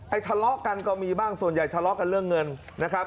ทะเลาะกันก็มีบ้างส่วนใหญ่ทะเลาะกันเรื่องเงินนะครับ